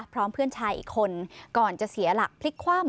พร้อมเพื่อนชายอีกคนก่อนจะเสียหลักพลิกคว่ำ